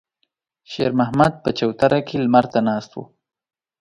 شېرمحمد په چوتره کې لمر ته ناست و.